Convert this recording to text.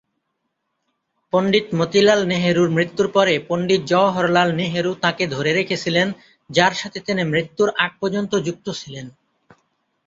পণ্ডিত মতিলাল নেহেরুর মৃত্যুর পরে পণ্ডিত জওহরলাল নেহেরু তাঁকে ধরে রেখেছিলেন, যার সাথে তিনি মৃত্যুর আগ পর্যন্ত যুক্ত ছিলেন।